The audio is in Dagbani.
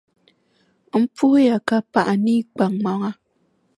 M puhiya ka paɣi, ni a kpaŋmaŋa.